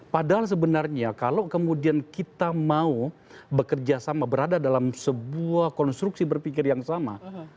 padahal sebenarnya kalau kemudian kita mau bekerja sama berada dalam sebuah konstruksi berpikir yang sama